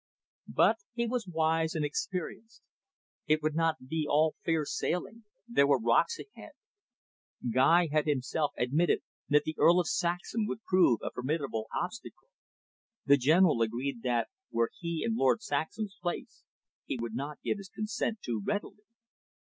But he was wise and experienced. It would not be all fair sailing, there were rocks ahead. Guy had himself admitted that the Earl of Saxham would prove a formidable obstacle. The General agreed that, were he in Lord Saxham's place, he would not give his consent too readily.